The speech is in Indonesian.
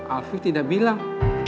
alfi tidak bilang